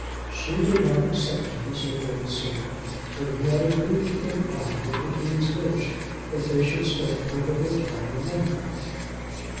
"She did not accept him," said Lady Sarah, "till he had agreed to comply with the Dean's wish that they should spend part of their time in London."